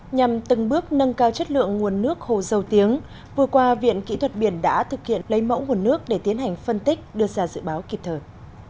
nhằm từng bước nâng cao chất lượng nguồn nước hồ dầu tiếng vừa qua viện kỹ thuật biển đã thực hiện lấy mẫu nguồn nước để tiến hành phân tích đưa ra dự báo kịp thời